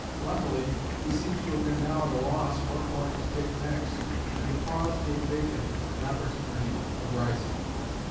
Luckily he seems to have been now at a loss what point to take next, and the pause gave Bacon an opportunity of rising.